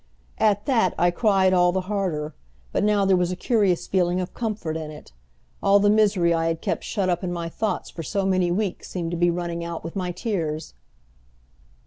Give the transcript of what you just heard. At that I cried all the harder, but now there was a curious feeling of comfort in it. All the misery I had kept shut up in my thoughts for so many weeks seemed to be running out with my tears.